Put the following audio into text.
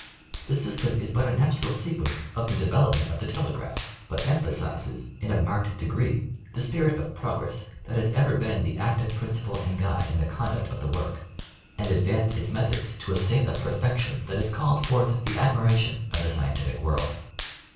The system is but a natural sequence of the development of the telegraph, but emphasizes in a marked 66 National Geographic Magazine. diegree the spirit of progress that has ever been the active prin ciple and guide in the conduct of the work, and advanced its methods to a state of perfection that has called forth the admira tion of the scientific world.